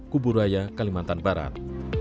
kubur raya kalimantan barat